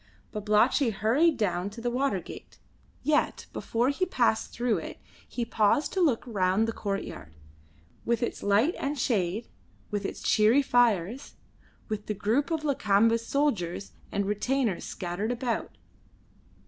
Babalatchi hurried down to the water gate; yet before he passed through it he paused to look round the courtyard, with its light and shade, with its cheery fires, with the groups of Lakamba's soldiers and retainers scattered about.